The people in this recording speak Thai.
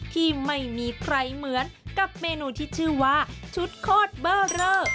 ที่ไม่มีใครเหมือนกับเมนูที่ชื่อว่าชุดโคตรเบอร์เรอ